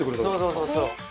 そうそうそうそう。